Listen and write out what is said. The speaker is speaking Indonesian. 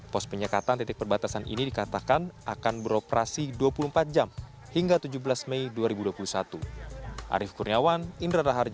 pos penyekatan titik perbatasan ini dikatakan akan beroperasi dua puluh empat jam hingga tujuh belas mei dua ribu dua puluh satu